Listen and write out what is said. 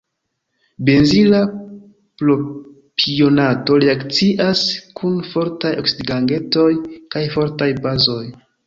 Benzila propionato reakcias kun fortaj oksidigagentoj kaj fortaj bazoj.